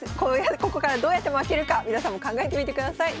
ここからどうやって負けるか皆さんも考えてみてください。